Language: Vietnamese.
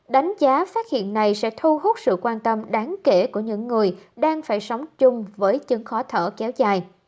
đánh giá phát hiện này sẽ thu hút sự quan tâm đáng kể của những người đang phải sống chung với chứng khó thở kéo dài